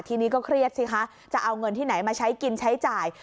ทีนี้ก็เครียดสิคะจะเอาเงินที่ไหนมาใช้กินใช้จ่าย